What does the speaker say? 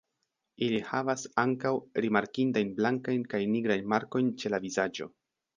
Ili havas ankaŭ rimarkindajn blankajn kaj nigrajn markojn ĉe la vizaĝo.